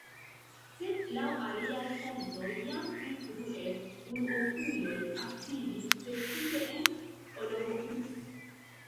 Sed laŭ aliaj fontoj jam pli frue unuopuloj aktivis, precipe en Olomouc.